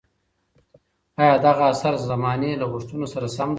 آیا دغه اثر د زمانې له غوښتنو سره سم دئ؟